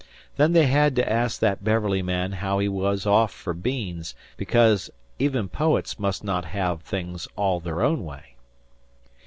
Then they had to ask that Beverly man how he was off for beans, because even poets must not have things all their own way.